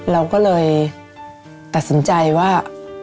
เราก็เลยตัดสินใจว่า